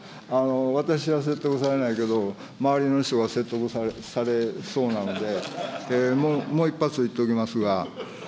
私は説得されないけど、周りの人が説得されそうなので、もう一発、言っておきますが。